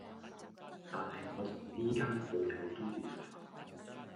但係我同呢間鋪有啲緣份